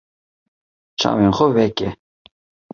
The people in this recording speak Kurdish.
Çavên xwe veke.